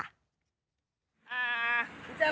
อ่า